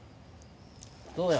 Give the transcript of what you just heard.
どうや？